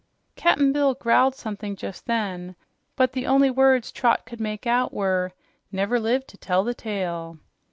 Cap'n Bill growled something just then, but the only words Trot could make out were, "never lived to tell the tale."